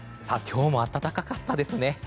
今日も暖かったですね。